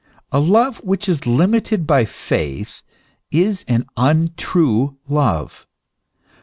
A love which is limited by faith is an untrue love.